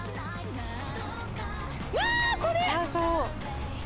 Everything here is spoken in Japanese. うわー！これ！